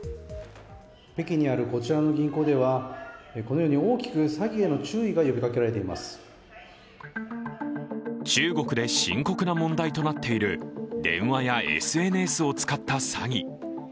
北京にあるこちらの銀行では、このように大きく詐欺への中国で深刻な問題となっている電話やＳＮＳを使った詐欺。